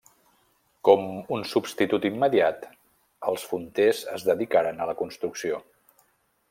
Com un substitut immediat, els fonters es dedicaren a la construcció.